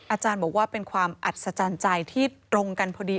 อาจารย์บอกว่าเป็นความอัศจรรย์ใจที่ตรงกันพอดี